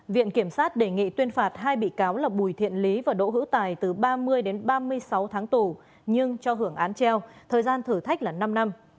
viện kiểm sát đề nghị tuyên phạt hai bị cáo là bùi thiện lý và đỗ hữu tài từ ba mươi đến ba mươi sáu tháng tù nhưng cho hưởng án treo thời gian thử thách là năm năm